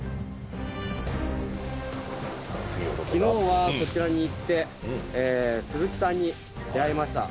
昨日はこちらに行ってえ鈴木さんに出会いました。